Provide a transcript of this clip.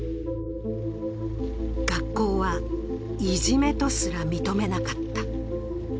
学校は、いじめとすら認めなかった。